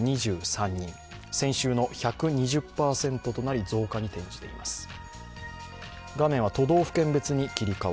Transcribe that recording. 先週の１２０％となり増加に転じています。